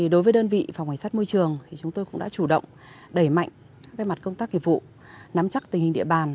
đối với đơn vị phòng cảnh sát môi trường chúng tôi cũng đã chủ động đẩy mạnh các mặt công tác kiệp vụ nắm chắc tình hình địa bàn